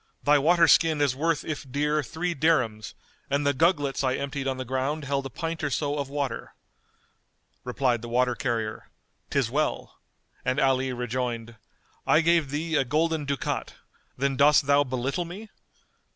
Thy water skin is worth if dear three dirhams, and the gugglets I emptied on the ground held a pint or so of water." Replied the water carrier "'Tis well," and Ali rejoined, "I gave thee a golden ducat: why, then dost thou belittle me?